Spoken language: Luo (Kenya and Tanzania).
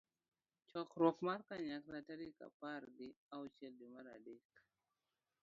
chokruok mar kanyakla tarik apar gi auchiel dwe mar adek